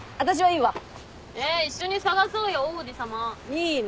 いいの。